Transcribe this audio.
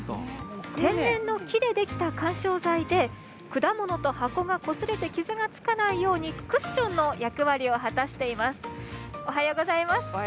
天然の木でできた緩衝材で果物と箱がこすれて傷がつかないようにクッションの役割を果たしています。